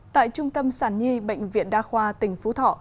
tại trung tâm sản nhi bệnh viện đa khoa tỉnh phú thọ